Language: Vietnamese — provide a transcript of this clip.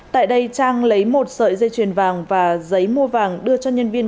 tại đây trang lấy một sợi dây chuyền vàng và giấy mua vàng đưa cho nhân viên